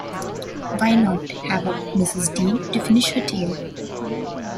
Why not have up Mrs. Dean to finish her tale?